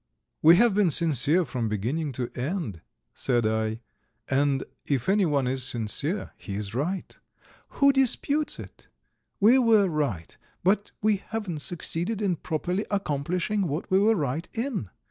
"We have been sincere from beginning to end," said I, "and if anyone is sincere he is right." "Who disputes it? We were right, but we haven't succeeded in properly accomplishing what we were right in.